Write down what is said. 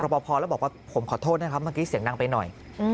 บอกว่าผมขอโทษนะครับมันกี่เสียงดังไปหน่อย